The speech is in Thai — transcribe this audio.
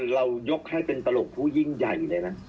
เรายกให้เป็นตลกผู้ยิ่งใหญ่เลยนะ